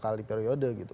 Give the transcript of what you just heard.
bekali periode gitu